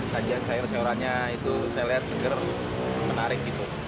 sajian sayur sayurannya itu saya lihat seger menarik gitu